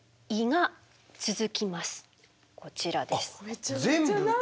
めちゃめちゃ長い。